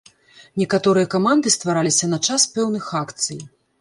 Некаторыя каманды ствараліся на час пэўных акцый.